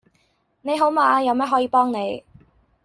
你好嗎有咩可以幫你